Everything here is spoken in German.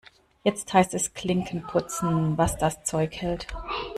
Jetzt heißt es Klinken putzen, was das Zeug hält.